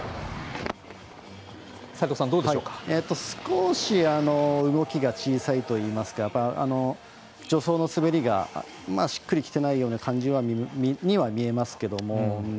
少し動きが小さいといいますか助走の滑りがしっくりきてないような感じには見えますけども。